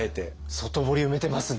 外堀埋めてますね。